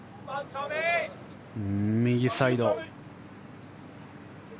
右サイド。